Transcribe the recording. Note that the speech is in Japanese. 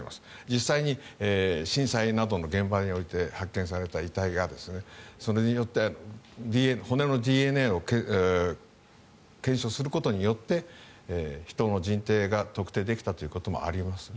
実際に、震災などの現場において発見された遺体が骨のＤＮＡを検証することによって人の人定が特定できたということもあります。